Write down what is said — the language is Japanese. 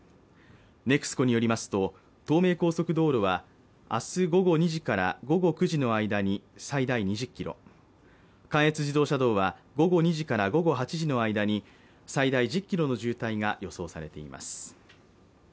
ＮＥＸＣＯによりますと、東名高速道路は明日午後２時から午後９時の間に最大２０ｋｍ、関越自動車道は午後２時から午後８時の間に最大１０ｋｍの渋滞が予想されています。